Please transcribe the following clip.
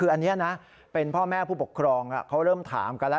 คืออันนี้นะเป็นพ่อแม่ผู้ปกครองเขาเริ่มถามกันแล้ว